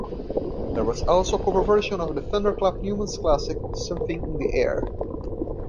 There was also a cover version of Thunderclap Newman's classic "Something in the Air".